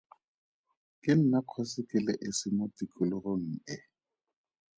Ke nna kgosi ke le esi mo tikologong e.